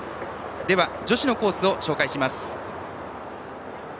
では、女子のコースを紹介します。